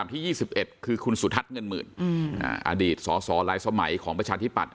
ที่๒๑คือคุณสุทัศน์เงินหมื่นอดีตสสหลายสมัยของประชาธิปัตย